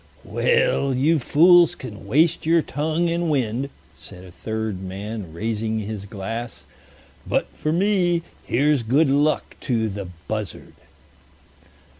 "Well, you fools can waste your tongue and wind," said a third man, raising his glass, "but for me here's good luck to the Buzzard."